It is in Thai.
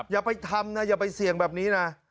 อย่าไปทำนะอย่าไปเสี่ยงแบบนี้นะ